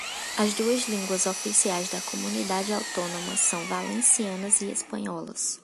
As duas línguas oficiais da comunidade autônoma são valencianas e espanholas.